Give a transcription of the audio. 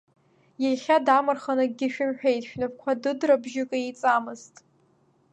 Иахьа дамырхын, акгьы шәымҳәеит, шәнапқәа дыдрабжьык еиҵамызт.